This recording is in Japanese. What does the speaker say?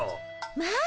まあ！